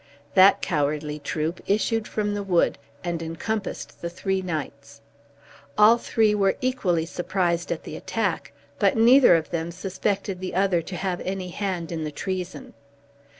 That cowardly troop issued from the wood and encompassed the three knights. All three were equally surprised at the attack, but neither of them suspected the other to have any hand in the treason.